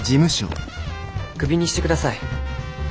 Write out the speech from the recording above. クビにして下さい。